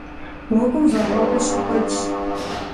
Уэгум вагъуэбэр щыкуэдщ.